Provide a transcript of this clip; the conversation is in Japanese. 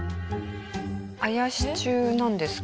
あやし中なんですか？